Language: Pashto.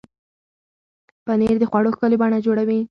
پنېر د خوړو ښکلې بڼه جوړوي.